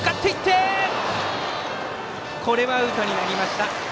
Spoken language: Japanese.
これはアウトになりました。